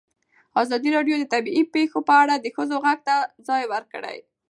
ازادي راډیو د طبیعي پېښې په اړه د ښځو غږ ته ځای ورکړی.